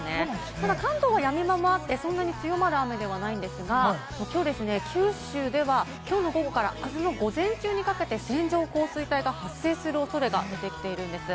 ただ関東はやみ間もあって、そんなに強まる雨ではないんですが、きょう、九州ではきょうの午後からあすの午前中にかけて、線状降水帯の発生するおそれが出てきているんです。